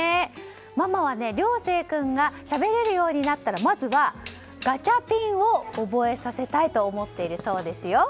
ママは諒星君がしゃべれるようになったらまずはガチャピンを覚えさせたいと思っているそうですよ。